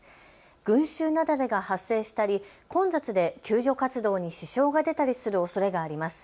群集雪崩が発生したり混雑で救助活動に支障が出たりするおそれがあります。